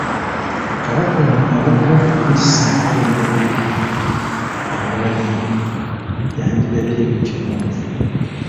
Kabaka ono aba kuba mubisi nga be ndabyeko awalala eyo, yandirabye mu kiwonvu.